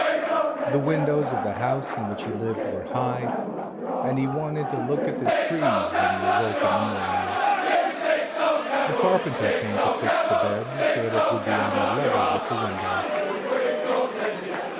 The windows of the house in which he lived were high and he wanted to look at the trees when he awoke in the morning. A carpenter came to fix the bed so that it would be on a level with the window.